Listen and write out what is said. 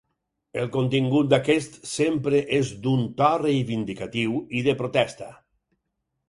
El contingut d'aquest sempre és d'un to reivindicatiu i de protesta.